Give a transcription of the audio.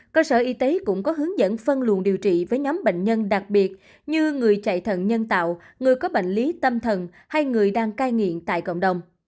cơ sở y tế cũng có hướng dẫn phân luận điều trị với nhóm bệnh nhân đặc biệt như người chạy thận nhân tạo người có bệnh lý tâm thần hay người đang cai nghiện tại cộng đồng